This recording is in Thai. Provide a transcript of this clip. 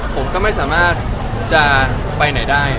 ผมก็ไม่สามารถจะไปไหนได้